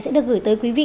sẽ được gửi tới quý vị